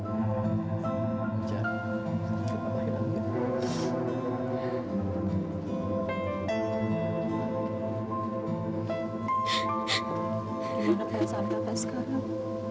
bagaimana kita bisa berapa sekarang